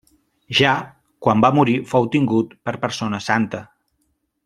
Ja quan va morir fou tingut per persona santa.